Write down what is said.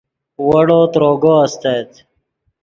ویڑو تروگو استت